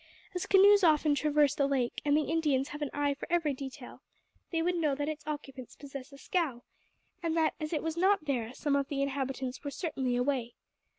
As canoes often traverse the lake, and the Indians have an eye for every detail, they would know that its occupants possess a scow, and that as it was not there some of the inhabitants were certainly away.